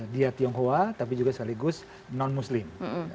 dia tionghoa tapi juga sekaligus non muslim